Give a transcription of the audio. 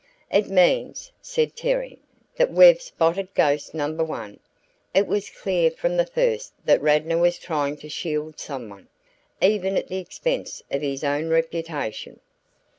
"It means," said Terry, "that we've spotted ghost number one. It was clear from the first that Radnor was trying to shield someone, even at the expense of his own reputation.